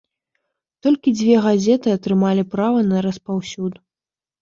Толькі дзве газеты атрымалі права на распаўсюд.